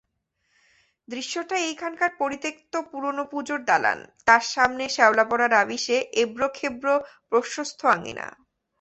দৃশ্যটা এইখানকার পরিত্যক্ত পুরোনো পুজোর দালান, তার সামনে শেওলা-পড়া রাবিশে এবড়োখেবড়ো প্রশস্ত আঙিনা।